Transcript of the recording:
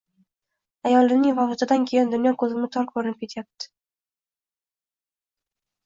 Ayolimning vafotidan keyin dunyo ko`zimga tor ko`rinib ketyapti